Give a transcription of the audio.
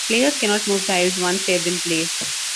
Players cannot move tiles once they have been placed.